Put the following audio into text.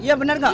iya benar gak